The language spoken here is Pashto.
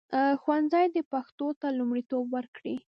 ښوونځي دې پښتو ته لومړیتوب ورکړي.